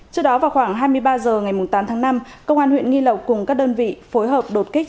trước đó vào khoảng hai mươi ba h ngày tám tháng năm công an huyện nghi lộc cùng các đơn vị phối hợp đột kích